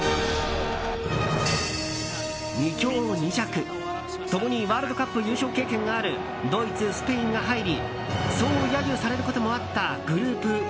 ２強２弱、共にワールドカップ優勝経験があるドイツ、スペインが入りそう揶揄されることもあったグループＥ。